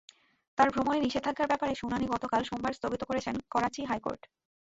তাঁর ভ্রমণে নিষেধাজ্ঞার ব্যাপারে শুনানি গতকাল সোমবার স্থগিত করেছেন করাচি হাইকোর্ট।